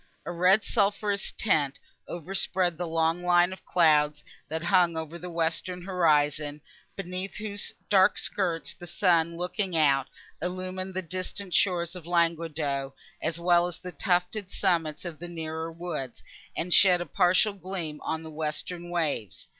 A red sulphureous tint overspread the long line of clouds, that hung above the western horizon, beneath whose dark skirts the sun looking out, illumined the distant shores of Languedoc, as well as the tufted summits of the nearer woods, and shed a partial gleam on the western waves.